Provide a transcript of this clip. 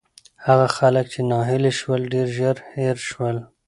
هغه خلک چې ناهیلي شول، ډېر ژر هېر شول.